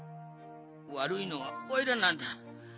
わるいのはおいらなんだ。